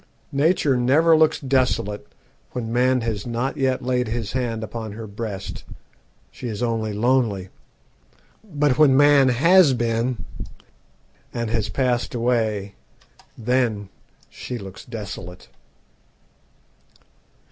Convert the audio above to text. Nature never looks desolate when man has not yet laid his hand upon her breast; she is only lonely. But when man has been, and has passed away, then she looks desolate.